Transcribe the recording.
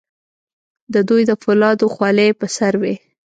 د دوی د فولادو خولۍ په سر وې.